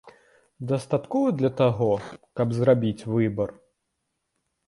Дастаткова для таго, каб зрабіць выбар?